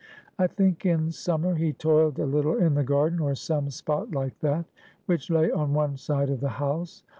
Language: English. I think in summer he toiled a little in the garden, or some spot like that, which lay on one side of the house.